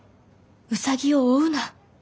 ウサギを追うな。